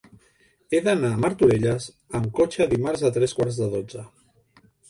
He d'anar a Martorelles amb cotxe dimarts a tres quarts de dotze.